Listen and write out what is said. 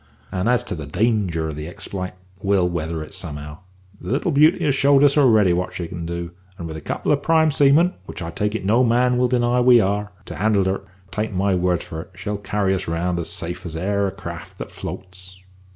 And as to the danger of the expl'ite, we'll weather it somehow. The little beauty has showed us already what she can do, and with a couple of prime seamen which I take it no man will deny we are to handle her, take my word for it, she'll carry us round as safe as e'er a craft that floats."